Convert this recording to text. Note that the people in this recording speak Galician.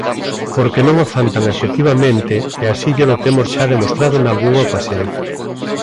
Porque non o fan tan efectivamente, e así llelo temos xa demostrado nalgunha ocasión.